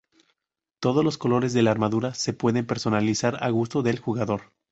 Todos los colores de la armadura se pueden personalizar a gusto del jugador.